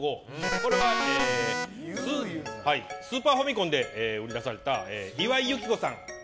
これはスーパーファミコンで出された岩井由紀子さん